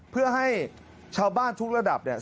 เพื่อให้ชาวบ้านทุกระดับเนี่ย